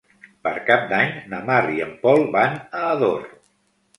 Per Cap d'Any na Mar i en Pol van a Ador.